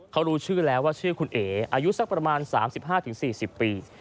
เขารู้ชื่อแล้วว่าชื่อคุณเอ๋อายุสักประมาณ๓๕๔๐ปี